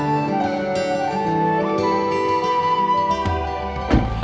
supaya bukankah saya terhidup jauh